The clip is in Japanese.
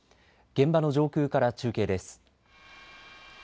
現場の上空から中継です。